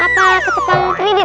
apalagi ketukang kredit